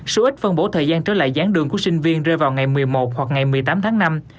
số ít phân bổ thời gian trở lại gián đường của sinh viên rơi vào ngày một mươi một hoặc ngày một mươi tám tháng năm